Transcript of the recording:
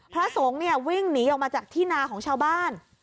พระสงฆ์เนี่ยวิ่งหนีออกมาจากที่นาของชาวบ้าน